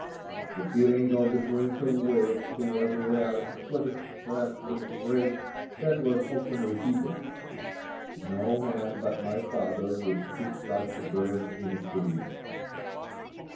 The feeling of the Prince of Wales towards Raleigh was expressed in a phrase that was often repeated, 'No man but my father would keep such a bird in a cage.'